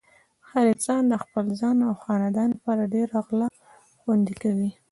هر انسان د خپل ځان او خاندان لپاره ډېره غله خوندې کوي۔